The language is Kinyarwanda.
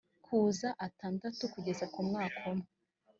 kuza atandatu kugeza ku mwaka umwe